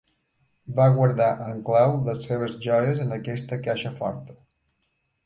Va guardar amb clau les seves joies en aquesta caixa forta.